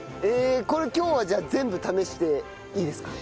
これ今日はじゃあ全部試していいですか？